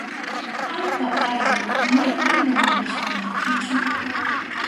Ay, papáy, maypim mana maskhamuykichu.